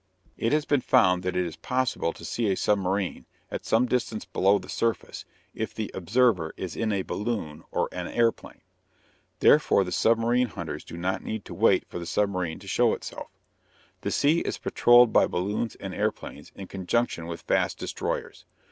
It has been found that it is possible to see a submarine at some distance below the surface if the observer is in a balloon or an airplane. Therefore the submarine hunters do not need to wait for the submarine to show itself. The sea is patrolled by balloons and airplanes in conjunction with fast destroyers.